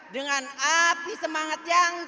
dengan api semangat yangweile